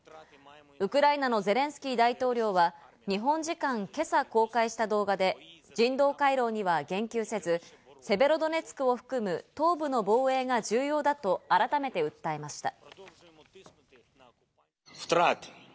ウクライナのゼレンスキー大統領は日本時間、今朝公開した動画で人道回廊には言及せず、セベロドネツクを含む東部の防衛が重要だと改めて訴えました。